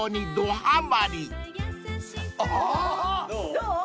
どう？